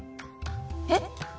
えっ？